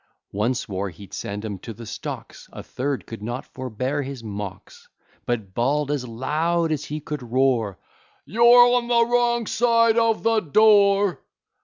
One swore he'd send 'em to the stocks; A third could not forbear his mocks; But bawl'd as loud as he could roar "You're on the wrong side of the door!"